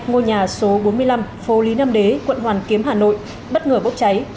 ngôi nhà số bốn mươi năm phố lý nam đế quận hoàn kiếm hà nội bất ngờ bốc cháy